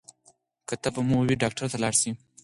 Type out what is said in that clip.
که تبه مو وي ډاکټر ته لاړ شئ.